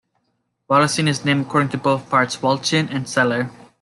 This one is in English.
Wallisellen is named according to both parts "Walchen" and "Seller".